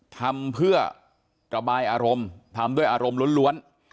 ทำเพื่อระบายอารมณ์ทำด้วยอารมณ์ล้วน